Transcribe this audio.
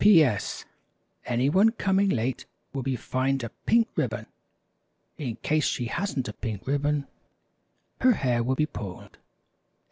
P.S. Anyone coming late will be fined a pink riblon. In case she has'nt a pink riblon her hair will be pulled.